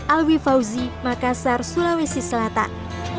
alwi fauzi makassar sulawesi selatan